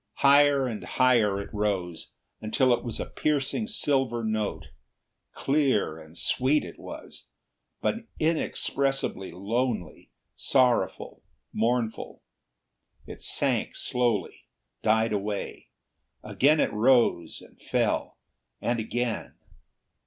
Higher and higher it rose, until it was a piercing silver note. Clear and sweet it was, but inexpressibly lonely, sorrowful, mournful. It sank slowly, died away. Again it rose and fell, and again.